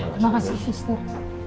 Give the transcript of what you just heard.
terima kasih justir